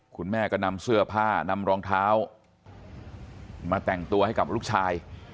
คุณแม่ก็นำเสื้อผ้านำรองเท้ามาแต่งตัวให้กับลูกชาย